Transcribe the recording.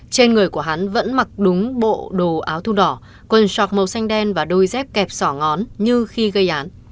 trên người của hắn vẫn mặc đúng bộ đồ áo thu đỏ quần sọc màu xanh đen và đôi dép kẹp sỏ ngón như khi gây án